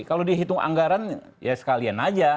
kalau dihitung anggaran ya sekalian aja